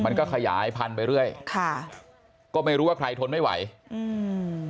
มันก็ขยายพันไปเรื่อยค่ะก็ไม่รู้ว่าใครทนไม่ไหวอืม